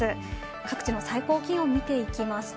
各地の最高気温を見ていきますと